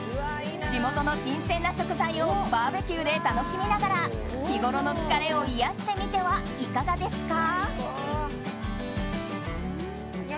地元の新鮮な食材をバーベキューで楽しみながら日ごろの疲れを癒やしてみてはいかがですか？